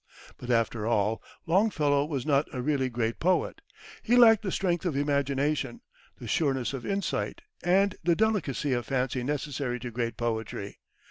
But, after all, Longfellow was not a really great poet. He lacked the strength of imagination, the sureness of insight and the delicacy of fancy necessary to great poetry.